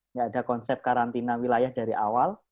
nggak ada konsep karantina wilayah dari awal